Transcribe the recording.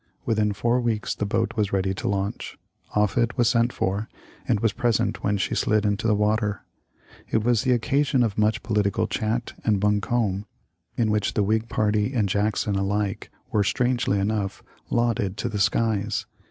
Within four weeks the boat was ready to launch. Offut was sent for, and was present when she slid into the water. It was the occasion of much political chat and buncombe, in which the Whig party and Jackson alike were, strangely enough, lauded to the skies.